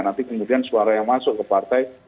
nanti kemudian suara yang masuk ke partai